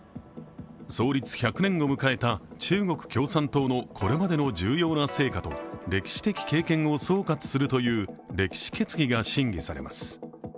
創立１００年を迎えた中国共産党のこれまでの重要な成果と歴史的経験を総括するという歴史決議が審議されます。